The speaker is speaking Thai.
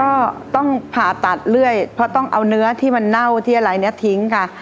ก็ต้องผ่าตัดเรื่อยเพราะต้องเอาเนื้อที่มันเน่าที่อะไรเนี่ยทิ้งค่ะ